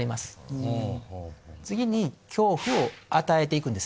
次に恐怖を与えて行くんですね。